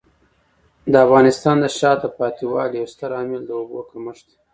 د افغانستان د شاته پاتې والي یو ستر عامل د اوبو کمښت دی.